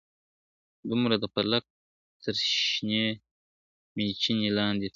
دومره د فلک تر شنې مېچني لاندي تللی یم `